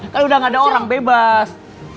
kan udah gak ada orang bebas